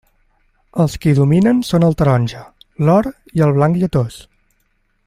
Els que hi dominen són el taronja, l'or i el blanc lletós.